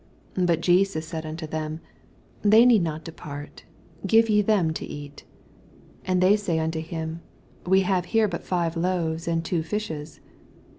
16 Bat Jesus said unto them, They need not depart ; give ye them to eat. 17 And they say unto him, We have b«re but five loaves, and two fishes.